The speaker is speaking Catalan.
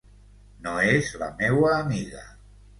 No és la meua amiga.